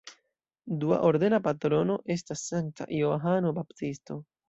Dua ordena patrono estas Sankta Johano Baptisto.